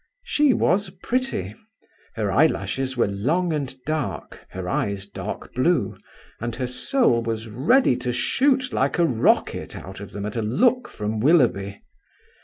She was pretty; her eyelashes were long and dark, her eyes dark blue, and her soul was ready to shoot like a rocket out of them at a look from Willoughby.